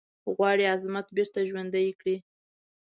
غواړي عظمت بیرته ژوندی کړی.